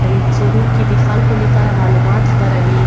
څېړونکي د خلکو لپاره معلومات خپروي.